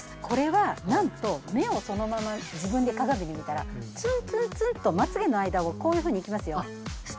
これはなんと目をそのまま自分で鏡で見たらツンツンツンッとまつげの間をこういうふうにいきますよ。